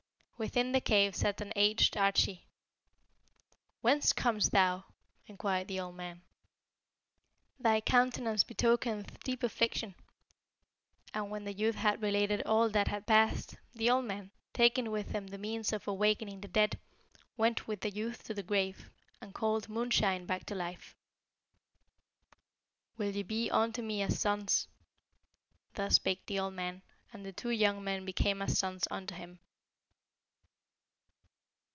Within the cave sat an aged Arschi. 'Whence comest thou?' inquired the old man, 'thy countenance betokeneth deep affliction.' And when the youth had related all that had passed, the old man, taking with him the means of awakening the dead, went with the youth to the grave, and called Moonshine back to life. 'Will ye be unto me as sons?' Thus spake the old man, and the two young men became as sons unto him.